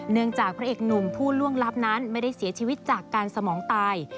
จากพระเอกหนุ่มผู้ล่วงลับนั้นไม่ได้เสียชีวิตจากการสมองตาย